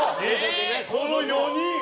この４人。